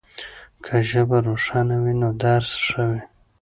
که ژبه روښانه وي نو درس ښه وي.